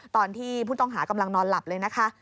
ตอนที่ผู้ต้องหากำลังนอนหลับเลยนะคะ